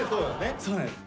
そうなんです。